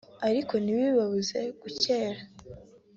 ariko ntibibabuze gutyera